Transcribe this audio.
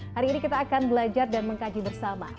hari ini kita akan belajar dan mengkaji bersama